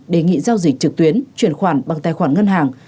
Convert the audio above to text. đề nghị giao dịch trực tuyến chuyển khoản bằng tài khoản ngân hàng